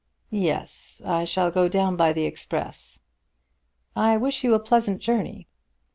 "Yes; I shall go down by the express." "I wish you a pleasant journey.